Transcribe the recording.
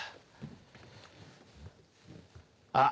あっ。